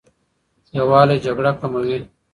یووالی جګړه کموي.